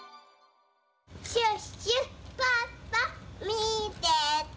シュッシュポッポみてて。